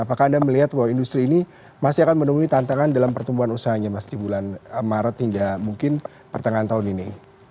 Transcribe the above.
apakah anda melihat bahwa industri ini masih akan menemui tantangan dalam pertumbuhan usahanya mas di bulan maret hingga mungkin pertengahan tahun ini